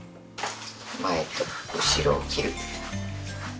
前と後ろを切る。